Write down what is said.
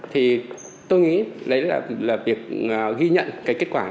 thì tôi nghĩ đấy là việc ghi nhận cái kết quả